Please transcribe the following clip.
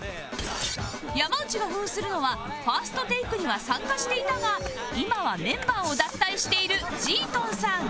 山内が扮するのは「ＦＩＲＳＴＴＡＫＥ」には参加していたが今はメンバーを脱退している ｇ−ｔｏｎ さん